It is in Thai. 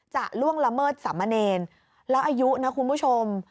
ล่วงละเมิดสามเณรแล้วอายุนะคุณผู้ชม